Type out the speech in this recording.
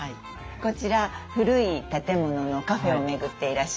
こちら古い建物のカフェを巡っていらっしゃる。